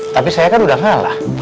tapi saya kan udah ngalah